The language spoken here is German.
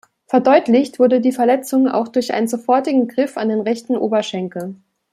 Verdeutlicht wurde die Verletzung auch durch einen sofortigen Griff an den rechten Oberschenkel.